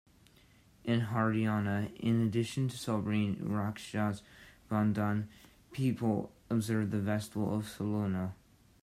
In Haryana, in addition to celebrating Raksha Bandhan, people observe the festival of Salono.